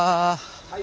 はい。